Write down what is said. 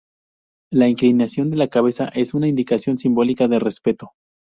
La inclinación de la cabeza es una indicación simbólica de respeto.